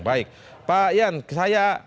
baik pak yan saya